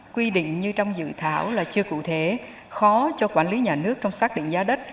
quy định như trong dự thảo là chưa cụ thể khó cho quản lý nhà nước trong xác định giá đất